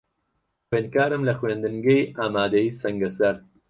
خوێندکارم لە خوێندنگەی ئامادەیی سەنگەسەر.